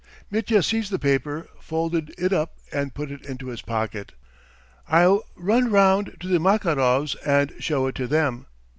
Mitya seized the paper, folded it up and put it into his pocket. "I'll run round to the Makarovs and show it to them.